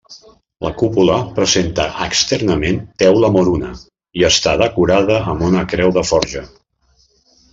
La cúpula presenta externament teula moruna i està decorada amb una creu de forja.